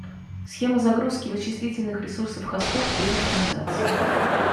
Схема загрузки вычислительных ресурсов хостов без оптимизации